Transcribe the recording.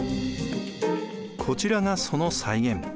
こちらがその再現。